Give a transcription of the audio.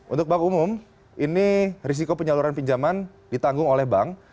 untuk bank umum ini risiko penyaluran pinjaman ditanggung oleh bank